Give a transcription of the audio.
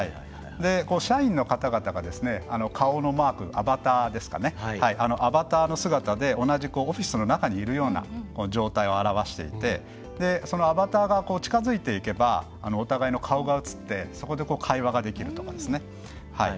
社員の方々が顔のマークアバターの姿で同じオフィスの中にいるような状態を表していて、アバターが近づいていけばお互いの顔が映ってそこで会話ができるとかですね。